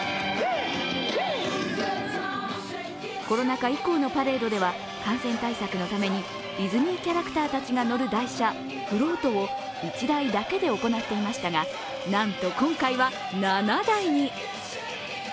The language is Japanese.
コロナ禍以降のパレードでは感染対策のためにディズニーキャラクターたちが乗る台車、フロートを１台だけで行っていましたがなんと今回は７台に。